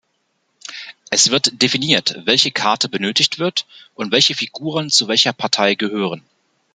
Es wird definiert, welche Karte benötigt wird und welche Figuren zu welcher Partei gehören.